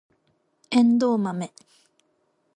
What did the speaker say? エンドウマメ